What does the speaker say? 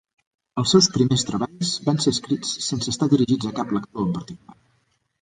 Els seus primers treballs van ser escrits sense estar dirigits a cap lector en particular.